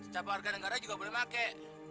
setiap warga negara juga boleh pakai